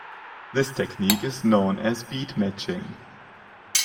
This technique is known as beatmatching.